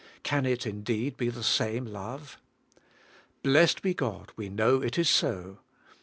Can it indeed be the same love? Blessed be God, we know it is so.